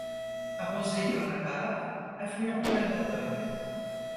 Arrosée par la Bave affluent de la Dordogne.